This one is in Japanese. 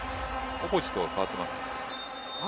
オポジットが変わっています。